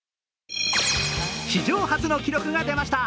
史上初の記録が出ました。